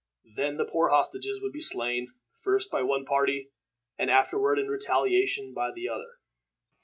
Then the poor hostages would be slain, first by one party, and afterward, in retaliation, by the other.